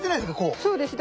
そうです。